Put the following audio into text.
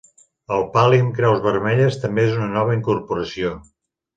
El pal·li amb creus vermelles també és una nova incorporació.